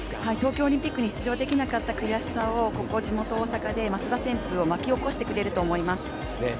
東京オリンピックに出場できなかった悔しさをここ、地元・大阪で松田旋風を巻き起こしてくれると思います。